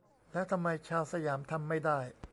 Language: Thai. แล้วทำไมชาวสยามทำไม่ได้